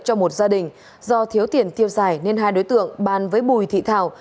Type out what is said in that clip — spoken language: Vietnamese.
cho một gia đình do thiếu tiền tiêu xài nên hai đối tượng bàn với bùi thị thảo